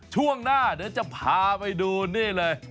ช่วงหน้าเดี๋ยวจะพาไปดูนี่เลย